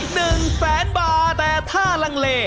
หนึ่งแฟนบาร์แต่ท่ารังเล